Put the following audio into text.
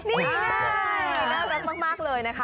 นี่ไงน่ารักมากเลยนะคะ